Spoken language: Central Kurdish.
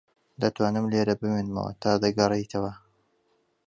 دەتوانم لێرە بمێنمەوە تا دەگەڕێیتەوە.